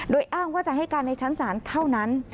โดยอ้างว่าจะให้การในชั้นศาลเท่านั้น